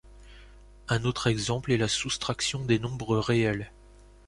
Un autre exemple est la soustraction des nombres réels.